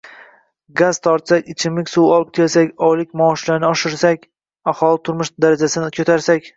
Gaz tortsak, ichimlik suvi olib kelsak, oylik maoshlarini oshirsak – aholi turmush darajasini ko‘tarsak